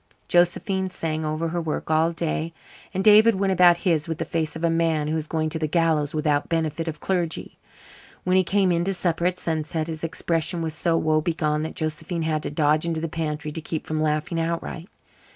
Josephine sang over her work all day, and David went about his with the face of a man who is going to the gallows without benefit of clergy. When he came in to supper at sunset his expression was so woe begone that Josephine had to dodge into the pantry to keep from laughing outright.